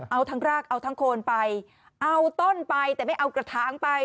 เอาทั้งรากเอาทั้งโคนไปเอาต้นไปแต่ไม่เอากระถางไป